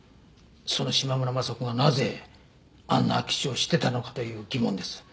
その島村昌子がなぜあんな空き地を知ってたのかという疑問です。